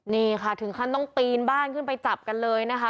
นี่ค่ะถึงขั้นต้องปีนบ้านขึ้นไปจับกันเลยนะคะ